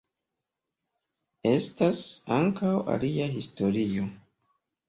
Estas ankaŭ alia historio.